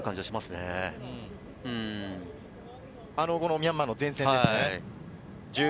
ミャンマーの前線ですね。